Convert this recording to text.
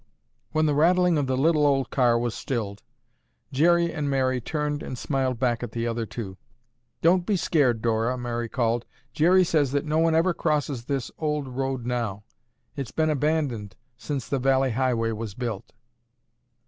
When the rattling of the little old car was stilled, Jerry and Mary turned and smiled back at the other two. "Don't be scared, Dora," Mary called. "Jerry says that no one ever crosses this old road now. It's been abandoned since the valley highway was built."